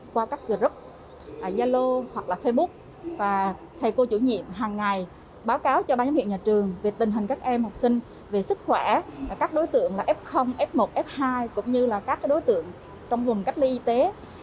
qua các group zalo hoặc là facebook và thầy cô chủ nhiệm hàng ngày báo cáo cho ban giám hiệu nhà trường về tình hình các em học sinh về sức khỏe các đối tượng là f f một f hai cũng như là các đối tượng trong vùng cách ly y tế